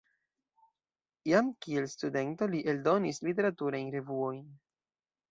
Jam kiel studento li eldonis literaturajn revuojn.